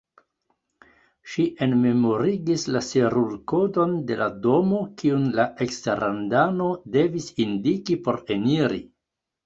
Ŝi enmemorigis la serurkodon de la domo, kiun la eksterlandano devis indiki por eniri.